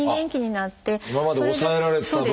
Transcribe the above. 今まで抑えられてた分。